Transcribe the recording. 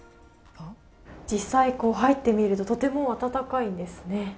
実際入ってみるととても暖かいんですね。